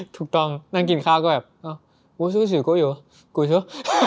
ถูกต้องนั่งกินข้าวก็แบบโหส๑๙๘๔อยู่กุช่ว